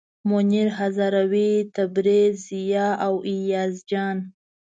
منیر هزاروي، تبریز، ضیا او ایاز جان.